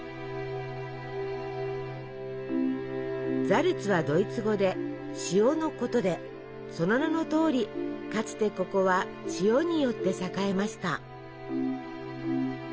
ザルツはドイツ語で「塩」のことでその名のとおりかつてここは塩によって栄えました。